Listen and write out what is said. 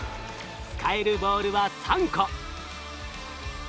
使えるボールは３個。